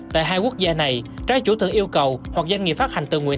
tại hai quốc gia này trái chủ tự yêu cầu hoặc doanh nghiệp phát hành tự nguyện